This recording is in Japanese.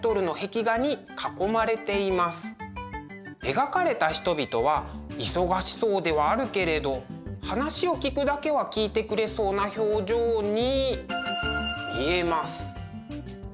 描かれた人々は忙しそうではあるけれど話を聞くだけは聞いてくれそうな表情に見えます。